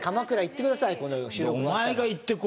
行ってください。